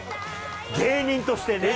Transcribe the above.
芸人としてね。